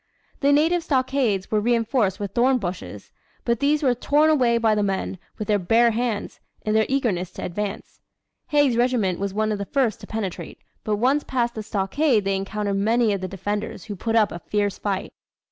The native stockades were reinforced with thorn bushes, but these were torn away by the men, with their bare hands, in their eagerness to advance. Haig's regiment was one of the first to penetrate, but once past the stockade they encountered many of the defenders who put up a fierce fight.